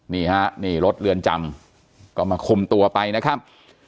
นี่ฮะนี่รถเรือนจำก็มาคุมตัวไปนะครับ